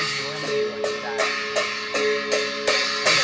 วันนี้ดูต่างขึ้นมาเขาดิ